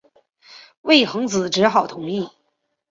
魏桓子只好同意了。